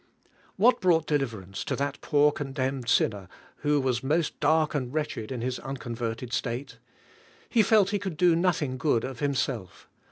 What brought deliverance to that poor con demned sinner who was most dark and wretched in his unconverted state? He felt he could do nothing good of himself.